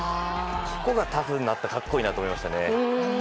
そこがタフになった格好いいなと思いましたね。